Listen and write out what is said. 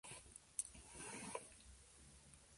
Las clases sociales de las Marshall incluyen jefes y burgueses.